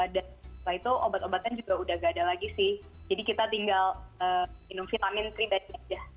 dan setelah itu obat obatan juga udah nggak ada lagi sih jadi kita tinggal minum vitamin tiga dan minum aja